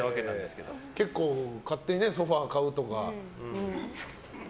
結構、勝手にソファ買うとか。